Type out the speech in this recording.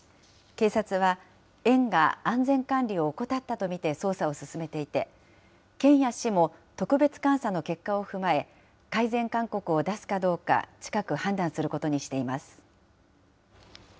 警察は、園が安全管理を怠ったと見て捜査を進めていて、県や市も特別監査の結果を踏まえ、改善勧告を出すかどうか、近く判断することにしています。